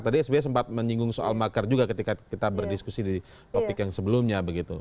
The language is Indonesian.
tadi sby sempat menyinggung soal makar juga ketika kita berdiskusi di topik yang sebelumnya begitu